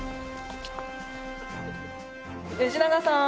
吉永さん。